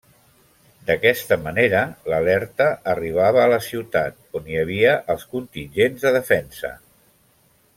D'aquesta manera l'alerta arribava a la ciutat, on hi havia els contingents de defensa.